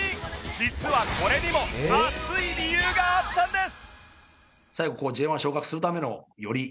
実はこれにも熱い理由があったんです！